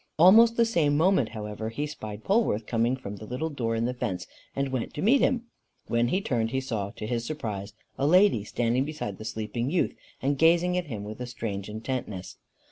Almost the same moment however, he spied Polwarth coming from the little door in the fence, and went to meet him. When he turned, he saw, to his surprise, a lady standing beside the sleeping youth, and gazing at him with a strange intentness.